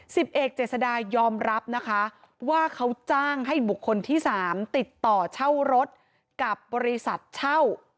สิบเอกเจษดายอมรับนะคะว่าเขาจ้างให้บุคคลที่สามติดต่อเช่ารถกับบริษัทเช่า